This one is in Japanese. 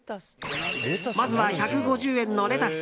まずは１５０円のレタス。